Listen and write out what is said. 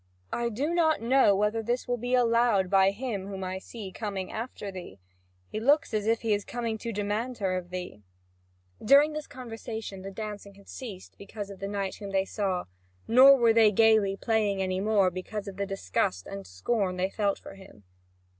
"I do not know whether this will be allowed by him whom I see coming after thee; he looks as if he is coming to demand her of thee." During this conversation the dancing had ceased because of the knight whom they saw, nor were they gaily playing any more because of the disgust and scorn they felt for him.